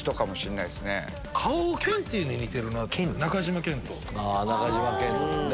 顔ケンティーに似てるなと思った。